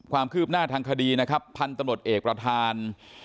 ความคืบหน้าทางคดีนะครับพันธุ์ตำรวจเอกประธาน